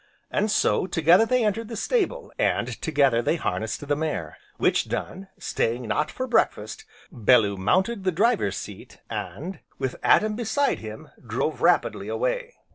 And so, together they entered the stable, and together they harnessed the mare. Which done, staying not for breakfast, Bellew mounted the driver's seat, and, with Adam beside him, drove rapidly away.